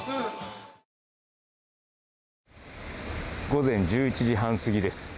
午前１１時半過ぎです。